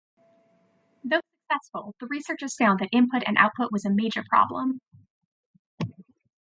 Though successful, the researchers found that input and output was a major problem.